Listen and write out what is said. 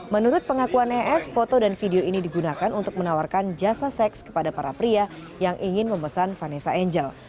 menurut pengakuan es foto dan video ini digunakan untuk menawarkan jasa seks kepada para pria yang ingin memesan vanessa angel